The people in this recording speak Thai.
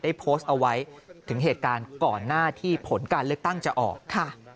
โพสต์เอาไว้ถึงเหตุการณ์ก่อนหน้าที่ผลการเลือกตั้งจะออกค่ะ